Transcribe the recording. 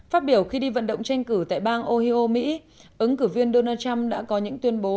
phát biểu khi đi vận động tranh cử tại bang ohio mỹ ứng cử viên donald trump đã có những tuyên bố